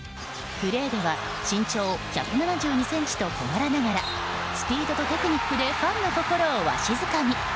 プレーでは身長１７２ｃｍと小柄ながらスピードとテクニックでファンの心をわしづかみ。